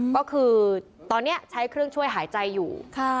ก็คือตอนนี้ใช้เครื่องช่วยหายใจอยู่